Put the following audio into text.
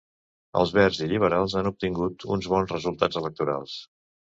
Els Vers i liberals han obtingut uns bons resultats electorals